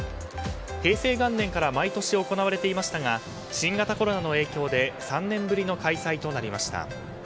平成元年から毎年行われていましたが新型コロナの影響で３年ぶりの開催となりました。